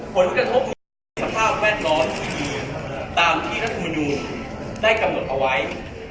ผลกระทบมีสภาพแม่นร้อนดีตามที่รัฐมนุมได้กำหนดเอาไว้